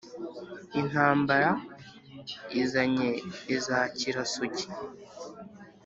Intambara izanye izakira Sugi